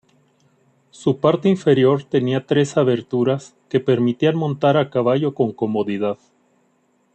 Su parte inferior tenía tres aberturas que permitían montar a caballo con comodidad.